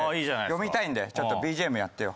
読みたいんでちょっとＢＧＭやってよ。